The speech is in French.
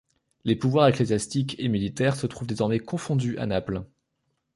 Les pouvoirs ecclésiastique et militaire se trouvent désormais confondus à Naples.